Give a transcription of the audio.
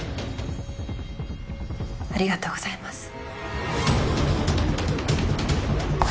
ありがとうございます。